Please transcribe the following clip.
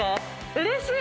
うれしい！